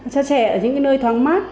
cho trẻ ở những nơi thoáng mát